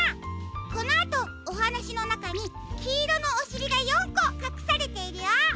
このあとおはなしのなかにきいろのおしりが４こかくされているよ。